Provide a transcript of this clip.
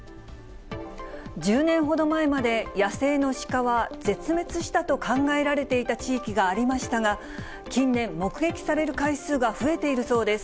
１０年ほど前まで、野生のシカは絶滅したと考えられていた地域がありましたが、近年、目撃される回数が増えているそうです。